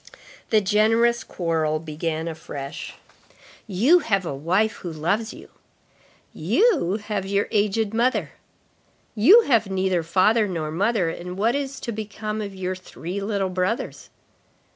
The generous quarrel began afresh. "You have a wife who loves you."—"You have your aged mother."—" You have neither father nor mother, and what is to become of your three little brothers?"